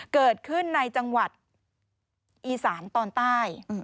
เกิดขึ้นในจังหวัดอีสานตอนใต้